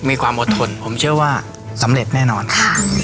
มีความอดทนผมเชื่อว่าสำเร็จแน่นอนค่ะ